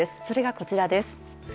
それがこちらです。